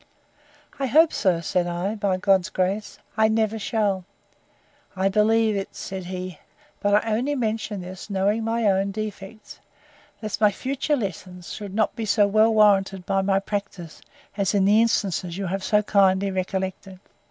I hope, sir, said I, by God's grace, I never shall. I believe it, said he; but I only mention this, knowing my own defects, lest my future lessons should not be so well warranted by my practice, as in the instances you have kindly recollected.